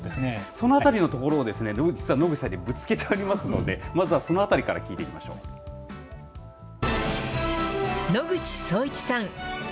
そのあたりのところを実は野口さんにぶつけてありますので、まずはそのあたりから聞いていき野口聡一さん。